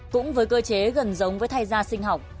cũng với cơ chế gần giống với thay da sinh học